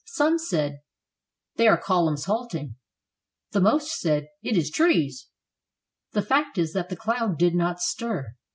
Some said: "They are columns halting." The most said: "It is trees." The fact is that the cloud did not stir.